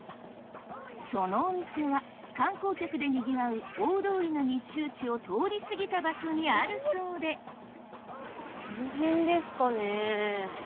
そのお店は観光客でにぎわう大通りの密集地を通り過ぎた場所にあるそうでこの辺ですかね。